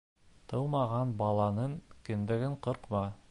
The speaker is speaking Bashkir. Тыумаған баланың кендеген ҡырҡма.